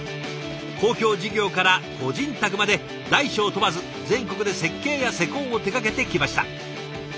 公共事業から個人宅まで大小問わず全国で設計や施工を手がけてきました。